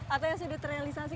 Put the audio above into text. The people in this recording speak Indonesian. atau yang sudah terrealisasi